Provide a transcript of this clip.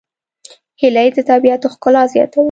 هیلۍ د طبیعت ښکلا زیاتوي